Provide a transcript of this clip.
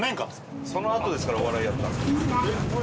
そのあとですからお笑いやったの。